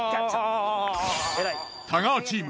太川チーム